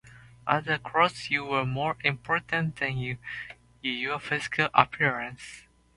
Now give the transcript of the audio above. Are the clothes you wear more important than your physical appearance?